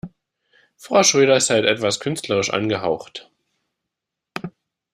Frau Schröder ist halt etwas künstlerisch angehaucht.